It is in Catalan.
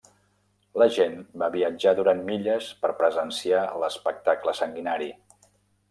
La gent va viatjar durant milles per presenciar l'espectacle sanguinari.